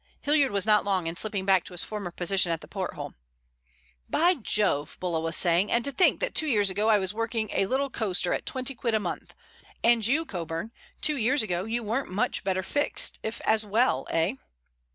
Hilliard was not long in slipping back to his former position at the porthole. "By Jove!" Bulla was saying. "And to think that two years ago I was working a little coaster at twenty quid a month! And you, Coburn; two years ago you weren't much better fixed, if as well, eh?"